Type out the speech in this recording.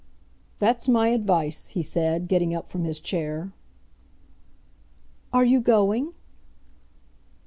"That's my advice," he said, getting up from his chair. "Are you going?"